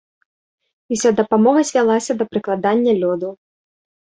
І ўся дапамога звялася да прыкладання лёду.